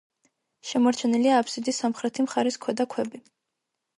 შემორჩენილია აბსიდის სამხრეთი მხარის ქვედა ქვები.